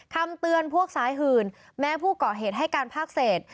คำเตือนพวกสายหื่นแม้ผู้ก่อเหตุให้การภาคเศษ